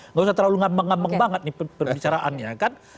nggak usah terlalu ngambang ngambang banget nih perbicaraannya kan